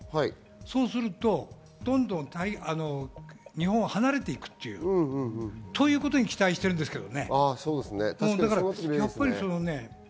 そうすると、どんどん日本を離れていくというということに期待してるんですけどね。